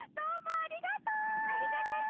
ありがとち！